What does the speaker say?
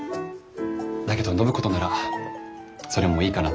だけど暢子とならそれもいいかなって。